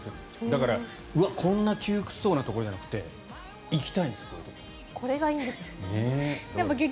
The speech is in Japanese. だから、こんな窮屈そうなところじゃなくてこれがいいんですもんね。